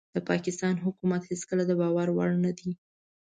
د پاکستان حکومت هيڅکله دباور وړ نه دي